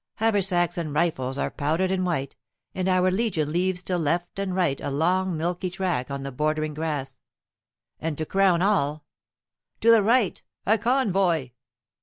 Haversacks and rifles are powdered in white, and our legion leaves to left and right a long milky track on the bordering grass. And to crown all "To the right! A convoy!"